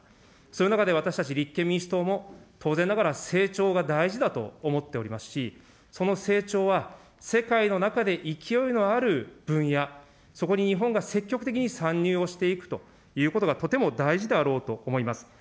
そういう中で私たち立憲民主党も、当然ながら、成長が大事だと思っておりますし、その成長は、世界の中で勢いのある分野、そこに日本が積極的に参入をしていくということがとても大事だろうと思います。